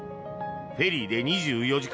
フェリーで２４時間